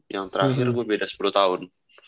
yang terakhir bu beda sepuluh tahun